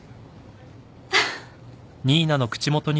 フッ。